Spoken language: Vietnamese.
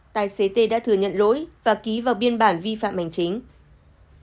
tài xế tê đã thừa nhận lỗi và ký vào biên bản vi phạm hành chính